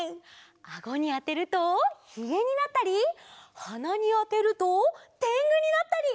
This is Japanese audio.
アゴにあてるとひげになったりはなにあてるとてんぐになったり！